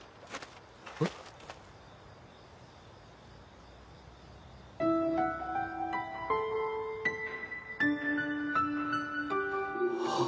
えっ？はっ。